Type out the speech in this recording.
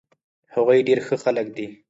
هغوي ډير ښه خلک دي